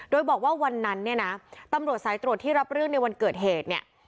โดยบอกว่าวันนั้นเนี่ยนะตำรวจสายตรวจที่รับเรื่องในวันเกิดเหตุเนี่ย